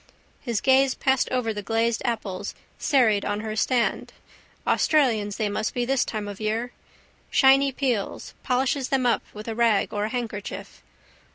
His gaze passed over the glazed apples serried on her stand. Australians they must be this time of year. Shiny peels: polishes them up with a rag or a handkerchief.